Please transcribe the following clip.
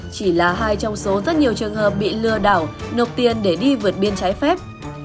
chỉ là hai trong số rất nhiều trường hợp bị lừa đảo nộp tiền để đi vượt biên trái phép